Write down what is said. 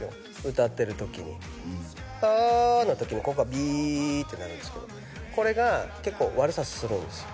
歌ってる時に「あ」の時にここがビーッて鳴るんですけどこれが結構悪さするんですよ